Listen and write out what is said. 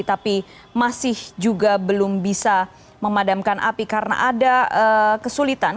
tapi masih juga belum bisa memadamkan api karena ada kesulitan